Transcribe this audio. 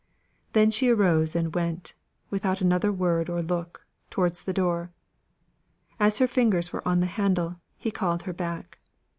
Then she arose and went, without another word or look, towards the door. As her fingers were on the handle he called her back.